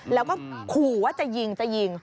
แล้วก็ขู่ว่าจะยิงจะยิง